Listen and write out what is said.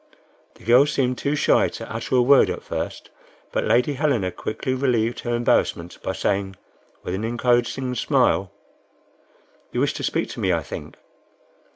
The girl seemed too shy to utter a word at first, but Lady Helena quickly relieved her embarrassment by saying, with an encouraging smile: "You wish to speak to me, I think?"